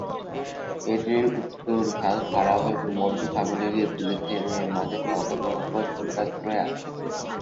এটির উত্তর ঢাল খাড়া হয়ে ভূমধ্যসাগরে গিয়ে পড়েছে এবং এর মাঝে মাঝে স্বল্পসংখ্যক পোতাশ্রয় আছে।